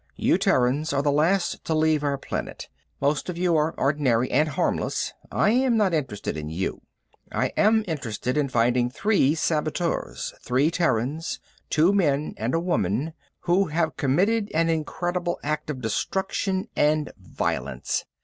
"You Terrans are the last to leave our planet. Most of you are ordinary and harmless I am not interested in you. I am interested in finding three saboteurs, three Terrans, two men and a woman, who have committed an incredible act of destruction and violence.